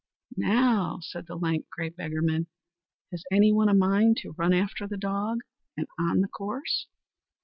"Now," said the lank, grey beggarman, "has any one a mind to run after the dog and on the course?"